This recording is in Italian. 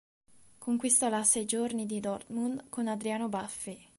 Conquistò la Sei giorni di Dortmund con Adriano Baffi.